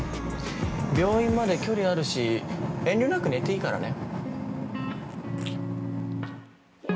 病院まで距離あるし遠慮なく寝ていいからね。